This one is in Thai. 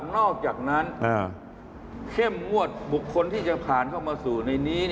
นอกจากนั้นเข้มงวดบุคคลที่จะผ่านเข้ามาสู่ในนี้